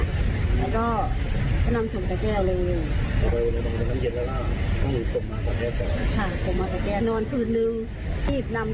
ดูด่างแล้วก็นำส่งแก้วเลยแล้วไปโรงพยาบาลบางท